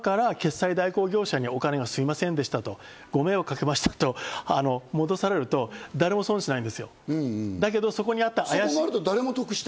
後日、その仲間から決済代行業者にお金が、すいませんでした、ご迷惑おかけしましたと戻されると、誰も損しない。